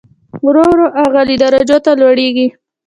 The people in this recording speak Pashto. ورو ورو اعلی درجو ته لوړېږي.